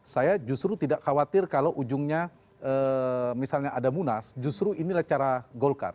saya justru tidak khawatir kalau ujungnya misalnya ada munas justru inilah cara golkar